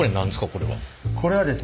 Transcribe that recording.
これはですね